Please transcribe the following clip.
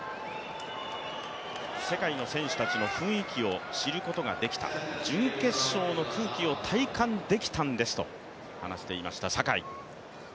世界の選手たちの雰囲気を知ることができた、準決勝の空気を体感できたんですと話していました、坂井。